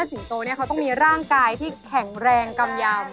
สิงโตเนี่ยเขาต้องมีร่างกายที่แข็งแรงกำยำ